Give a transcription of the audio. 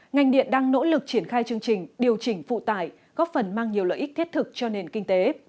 ngành điện đang nỗ lực triển khai chương trình điều chỉnh phụ tải góp phần mang nhiều lợi ích thiết thực cho nền kinh tế